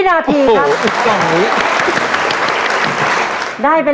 ตอนนั้นมันเขาไม่มีใครจ้างอ่ะงานไม่มี